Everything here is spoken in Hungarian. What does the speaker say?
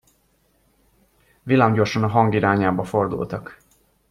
Villámgyorsan a hang irányába fordultak.